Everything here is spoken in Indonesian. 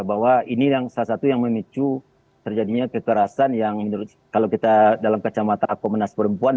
bahwa ini salah satu yang memicu terjadinya kekerasan yang kalau kita dalam kacamata komnas perempuan